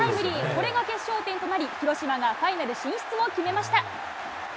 これが決勝点となり、広島がファイナル進出を決めました。